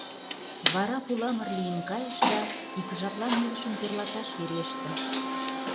Вара пуламыр лийын кайыш да, ик жаплан илышым тӧрлаташ вереште.